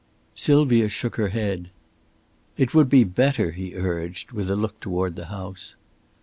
Sylvia shook her head. "It would be better," he urged, with a look toward the house.